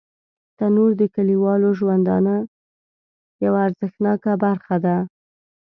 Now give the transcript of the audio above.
تنور د کلیوالو ژوندانه یوه ارزښتناکه برخه ده